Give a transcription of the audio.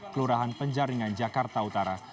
kelurahan penjaringan jakarta utara